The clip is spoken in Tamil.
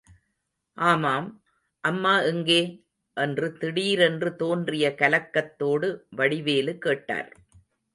ஆமாம், அம்மா எங்கே? என்று திடீரென்று தோன்றிய கலக்கத்தோடு வடிவேலு கேட்டார்.